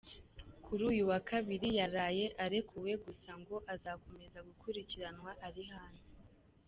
Kuri uyu wa Kabiri yaraye arekuwe gusa ngo ‘azakomeza gukurikiranwa ari hanze’.